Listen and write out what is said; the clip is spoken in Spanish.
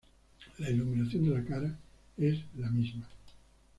La Iluminación de la cara es la misma.